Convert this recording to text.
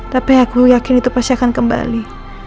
tapi aku yakin itu pasti akan kembali